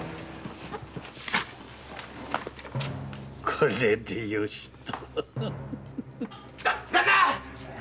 これでよしと。